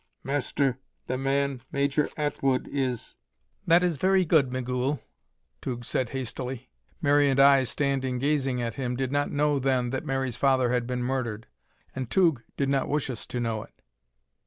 Master, the man Major Atwood is " "That is very good, Migul," Tugh said hastily. Mary and I standing gazing at him, did not know then that Mary's father had been murdered. And Tugh did not wish us to know it.